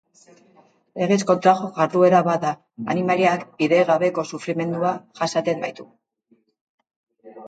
Legez kontrako jarduera bat da, animaliak bidegabeko sufrimendua jasaten baitu.